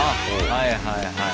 はいはいはい。